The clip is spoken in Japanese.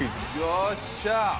よっしゃー！